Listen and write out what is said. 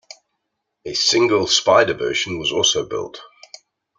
A single spyder version was also built.